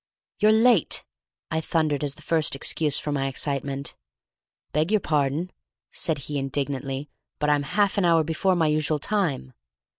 "You're late," I thundered as the first excuse for my excitement. "Beg your pardon," said he, indignantly, "but I'm half an hour before my usual time."